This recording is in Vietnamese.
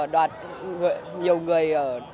đoạt nhiều người